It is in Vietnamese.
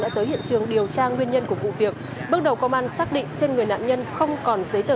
đã tới hiện trường điều tra nguyên nhân của vụ việc bước đầu công an xác định trên người nạn nhân không còn giấy tờ